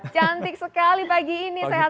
cantik sekali pagi ini sehat sehat ya mbak